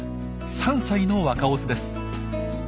３歳の若オスです。